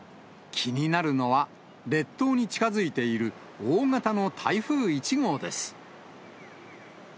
気になるのは、列島に近づいている大型の台風１号です。